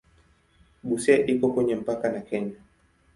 Busia iko kwenye mpaka na Kenya.